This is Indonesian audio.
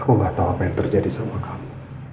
aku gak tau apa yang terjadi sama aku